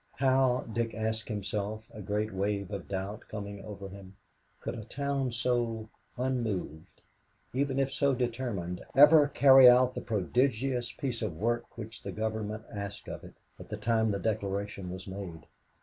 How, Dick asked himself, a great wave of doubt coming over him, could a town so unmoved, even if so determined, ever carry out the prodigious piece of work which the Government asked of it, at the time the declaration was made?